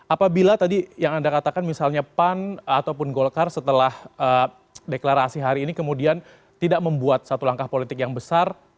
apabila tadi yang anda katakan misalnya pan ataupun golkar setelah deklarasi hari ini kemudian tidak membuat satu langkah politik yang besar